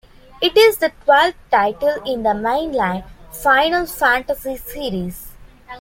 It is the twelfth title in the mainline "Final Fantasy" series.